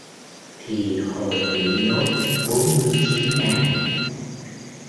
thì hồn bị nhốt bốn mươi chín ngày